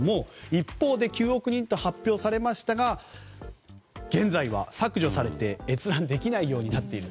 一方、９億人と発表されましたが現在は削除されて閲覧できないようになっている。